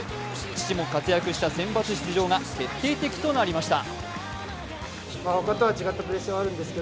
父も活躍した選抜出場が決定的となりました。